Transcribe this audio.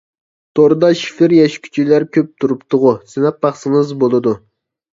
توردا شىفىر يەشكۈچلەر كۆپ تۇرۇپتىغۇ، سىناپ باقسىڭىز بولىدۇ.